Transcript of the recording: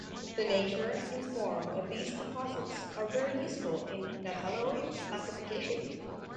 The nature and form of these deposits are very useful in nautiloid classification.